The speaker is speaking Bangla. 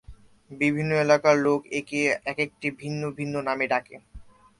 বিভিন্ন এলাকার লোক একে কয়েকটি ভিন্ন ভিন্ন নামে ডাকে।